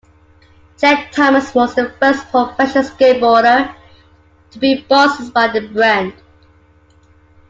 Chet Thomas was the first professional skateboarder to be sponsored by the brand.